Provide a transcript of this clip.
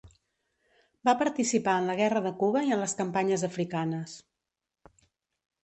Va participar en la guerra de Cuba i en les campanyes africanes.